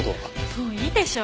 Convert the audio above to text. もういいでしょ？